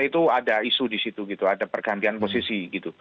itu ada isu di situ ada pergantian posisi